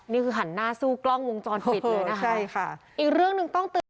นี่คือหันหน้าสู้กล้องวงจรปิดเลยนะคะใช่ค่ะอีกเรื่องหนึ่งต้องเตือน